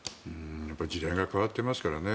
時代が変わっていますからね。